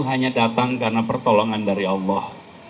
hanya datang karena pertolongan dari allah